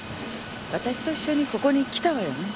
私と一緒にここに来たわよね？